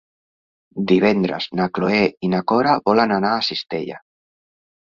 Divendres na Cloè i na Cora volen anar a Cistella.